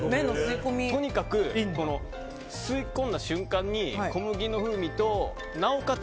とにかく、吸い込んだ瞬間に小麦の風味となおかつ